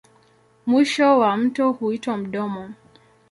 Mwisho wa mto huitwa mdomo.